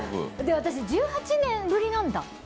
私、１８年ぶりなんだ。